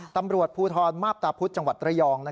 ตำรวจภูทรมาพตาพุธจังหวัดระยอง